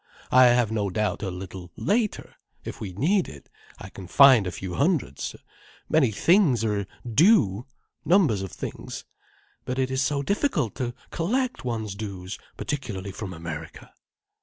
I have no doubt a little later—if we need it—I can find a few hundreds. Many things are due—numbers of things. But it is so difficult to collect one's dues, particularly from America."